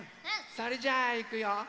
それじゃあいくよ！